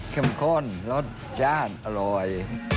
เข้มข้นรสชาติอร่อย